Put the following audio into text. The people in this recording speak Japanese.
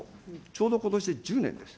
ちょうどことしで１０年です。